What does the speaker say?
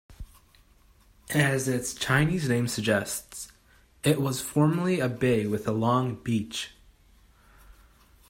As its Chinese name suggests, it was formerly a bay with a long beach.